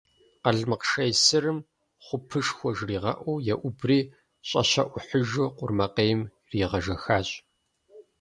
Къэлмыкъ шей сырым «хъупышхуэ» жригъэӀэу еӀубри, щӀэщэӀухьыжу къурмэкъейм иригъэжэхащ.